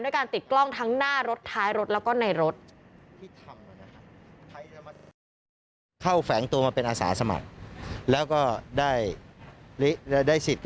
การติดกล้องทั้งหน้ารถท้ายรถแล้วก็ในรถ